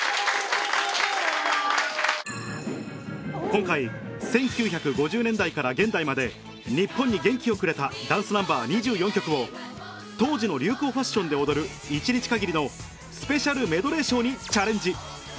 今回１９５０年代から現代まで日本に元気をくれたダンスナンバー２４曲を当時の流行ファッションで踊る一日限りのスペシャルメドレーショーにチャレンジ